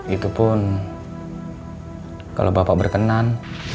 itu pun kalau bapak berkenan